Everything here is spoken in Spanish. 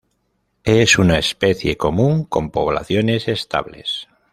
Es una especie común, con poblaciones estables.